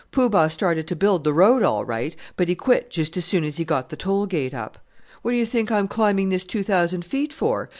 Poo Bah started to build the road all right; but he quit just as soon as he got the toll gate up! What do you think I'm climbing this two thousand feet for?